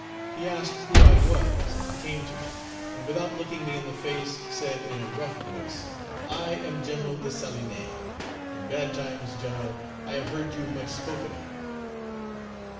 He asked who I was, and came to me, and without looking me in the face, said, in a rough voice, 'I am General Dessalines; in bad times, General, I have heard you much spoken of.'